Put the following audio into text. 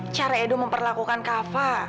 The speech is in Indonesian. cara edo memperlakukan kava